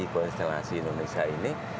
konfigurasi indonesia ini